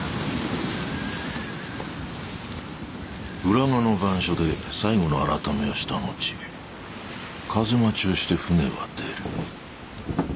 浦賀の番所で最後の検めをした後風待ちをして船は出る。